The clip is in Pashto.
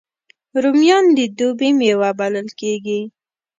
رومیان د دوبي میوه بلل کېږي